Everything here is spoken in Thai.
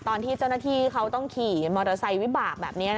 ตอนที่เจ้าหน้าที่เขาต้องขี่มอเตอร์ไซค์วิบากแบบนี้